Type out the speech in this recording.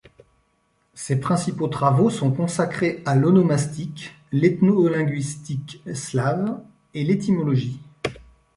Ses principaux travaux sont consacrés à l'onomastique, l'ethnolinguistique slave et l'étymologie.